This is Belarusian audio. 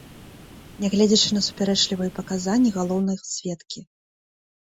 Нягледзячы на супярэчлівыя паказанні галоўнага сведкі.